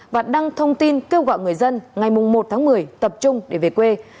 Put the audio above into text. và đăng thông tin kêu gọi người dân ngày một tháng một mươi tập trung để về quê